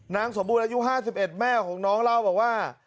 นางสมบูรณ์อายุ๕๑แม่ของน้องเล่าบอกว่า